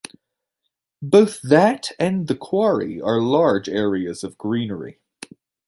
Both that and The Quarry are large areas of greenery.